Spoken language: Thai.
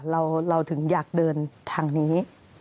เราถึงอยากเดินทางนี้